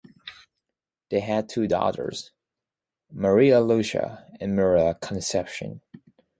They had two daughters, Maria Luisa and Maria Concepcion.